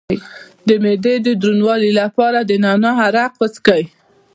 د معدې د دروندوالي لپاره د نعناع عرق وڅښئ